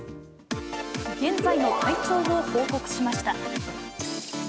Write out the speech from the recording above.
現在の体調を報告しました。